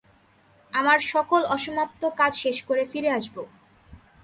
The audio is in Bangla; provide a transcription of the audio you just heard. আমার সকল অসমাপ্ত কাজ শেষ করে ফিরে আসবো।